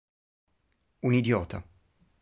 Un idiota".'.